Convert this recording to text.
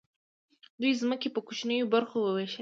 دوی ځمکې په کوچنیو برخو وویشلې.